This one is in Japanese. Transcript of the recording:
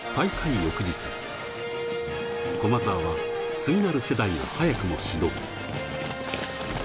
翌日、駒澤は次なる世代を早くも始動。